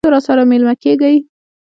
تاسو راسره میلمه کیږئ؟